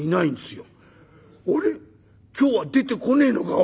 今日は出てこねえのか？